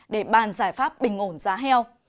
để bàn giải pháp bình ổn giá heo